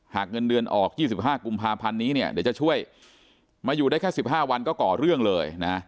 เงินเดือนออก๒๕กุมภาพันธ์นี้เนี่ยเดี๋ยวจะช่วยมาอยู่ได้แค่๑๕วันก็ก่อเรื่องเลยนะ